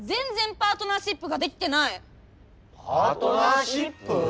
パートナーシップ？